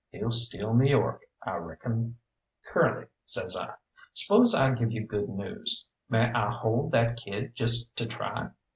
He'll steal New York, I reckon." "Curly," says I, "spose I give you good news. May I hold that kid just to try?"